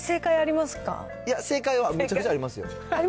正解はめちゃくちゃありますよ。